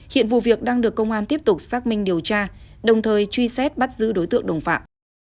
hiện vụ việc đang được công an tiếp tục xác minh điều tra đồng thời truy xét bắt giữ đối tượng đồng phạm